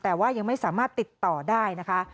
แต่ว่ายังไม่สามารถติดต่อได้นะคะ